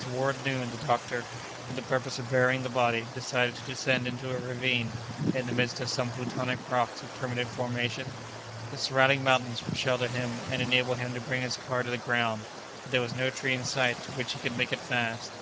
Toward noon, the doctor, for the purpose of burying the body, decided to descend into a ravine, in the midst of some plutonic rocks of primitive formation. The surrounding mountains would shelter him, and enable him to bring his car to the ground, for there was no tree in sight to which he could make it fast.